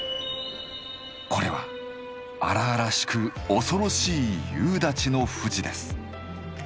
これは荒々しく恐ろしい夕立の富士です。